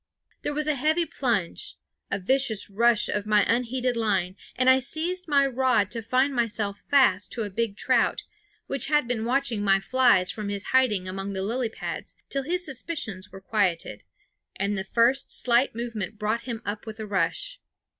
There was a heavy plunge, a vicious rush of my unheeded line, and I seized my rod to find myself fast to a big trout, which had been watching my flies from his hiding among the lily pads till his suspicions were quieted, and the first slight movement brought him up with a rush.